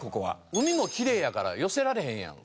海もきれいやから寄せられへんやん